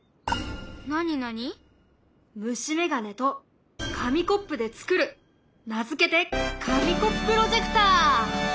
なになに？虫メガネと紙コップで作る名付けて紙コップロジェクター！